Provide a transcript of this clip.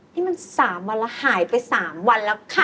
นี่มัน๓วันแล้วหายไป๓วันแล้วค่ะ